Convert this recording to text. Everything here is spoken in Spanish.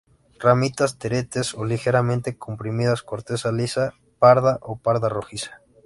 Ramitas teretes o ligeramente comprimidas; corteza lisa, parda o parda-rojiza.